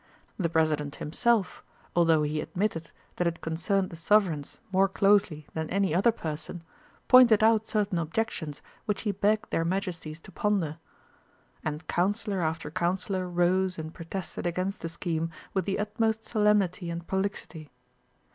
The President himself, although he admitted that it concerned the Sovereigns more closely than any other person, pointed out certain objections which he begged their Majesties to ponder. And Councillor after Councillor rose and protested against the scheme with the utmost solemnity and prolixity.